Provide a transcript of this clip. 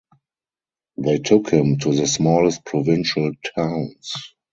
They took him to the smallest provincial towns.